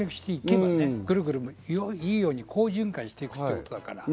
いいように好循環していくということだから。